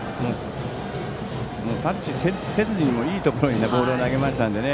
タッチせずにのいいところにボールを投げましたね。